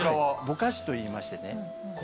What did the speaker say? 「ぼかし」といいましてね。